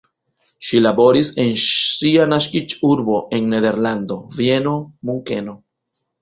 Ŝi laboris en sia naskiĝurbo, en Nederlando, Vieno, Munkeno.